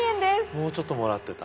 もうちょっともらってた。